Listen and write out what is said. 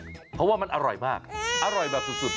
เพราะว่ามันอร่อยมากอร่อยแบบสุด